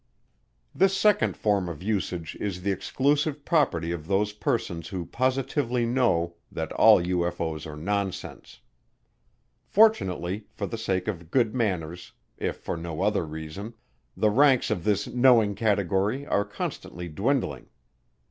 This second form of usage is the exclusive property of those persons who positively know that all UFO's are nonsense. Fortunately, for the sake of good manners if for no other reason, the ranks of this knowing category are constantly dwindling.